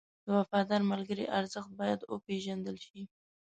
د وفادار ملګري ارزښت باید وپېژندل شي.